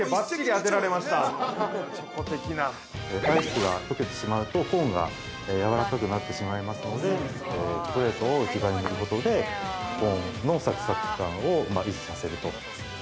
◆アイスが溶けてしまうとコーンが柔らかくなってしまいますのでチョコレートを内側に塗ることで、コーンのサクサク感を維持させると。